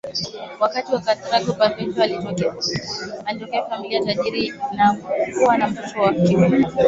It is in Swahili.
wa Karthago Perpetua alitokea familia tajiri na kuwa na mtoto wa kiume